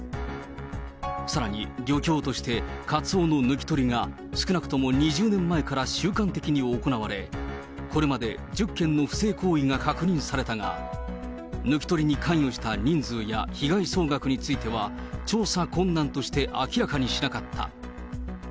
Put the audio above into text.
さらに漁協としてカツオの抜き取りが、少なくとも２０年前から習慣的に行われ、これまで１０件の不正行為が確認されたが、抜き取りに関与した人数や被害総額については、調査困難として明らかにしなかった。